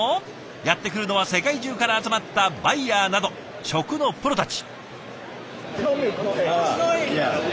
やって来るのは世界中から集まったバイヤーなど食のプロたち。